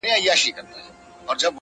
د دې خوب تعبير يې ورکه شیخ صاحبه-